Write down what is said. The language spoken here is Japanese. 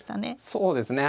そうですね。